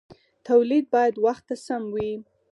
تولید باید وخت ته سم وي.